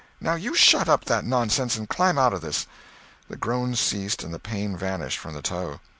Now you shut up that nonsense and climb out of this." The groans ceased and the pain vanished from the toe.